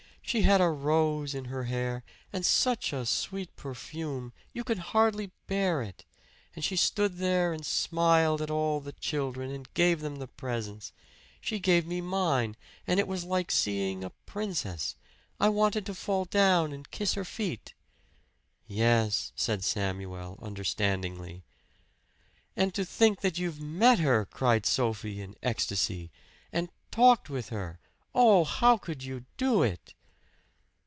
She had a rose in her hair and such a sweet perfume you could hardly bear it! And she stood there and smiled at all the children and gave them the presents. She gave me mine, and it was like seeing a princess. I wanted to fall down and kiss her feet." "Yes," said Samuel understandingly. "And to think that you've met her!" cried Sophie in ecstasy. "And talked with her! Oh, how could you do it?"